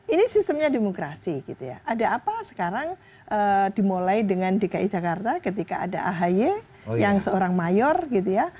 ini sistemnya demokrasi gitu ya ada apa sekarang dimulai dengan dki jakarta ketika ada ahy yang seorang mayor gitu ya